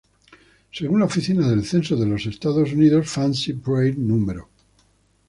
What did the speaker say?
Según la Oficina del Censo de los Estados Unidos, Fancy Prairie No.